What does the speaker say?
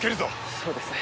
そうですね。